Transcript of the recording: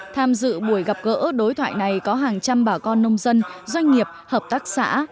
tham dự buổi gặp gỡ đối thoại này có hàng trăm bà con nông dân doanh nghiệp hợp tác xã